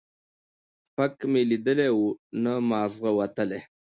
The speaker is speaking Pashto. ـ پک مې ليدلى وو، نه معاغزه وتلى.